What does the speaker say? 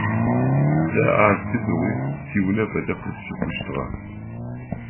Сэ ар сыдигъуи сиунэ фэдэу къысщыхъущтыгъэ.